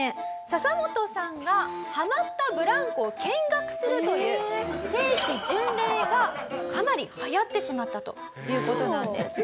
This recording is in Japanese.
ササモトさんがはまったブランコを見学するという聖地巡礼がかなり流行ってしまったという事なんです。